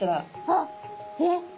あっえっ？